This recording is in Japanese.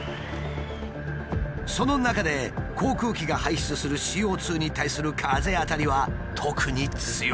その中で航空機が排出するＣＯに対する風当たりは特に強い。